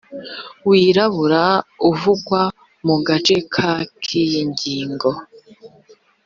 wirabura uvugwa mu gace ka k iyi ngingo